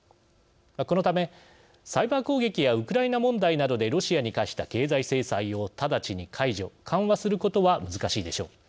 このためサイバー攻撃やウクライナ問題などでロシアに科した経済制裁を直ちに解除・緩和することは難しいでしょう。